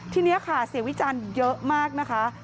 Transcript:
ทีนี้ค่ะเสียงวิจารณ์เยอะมากนะคะ